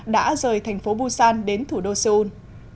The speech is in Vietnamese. đã rời thành phố busan đến thủ đô seoul